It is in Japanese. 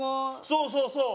そうそうそう！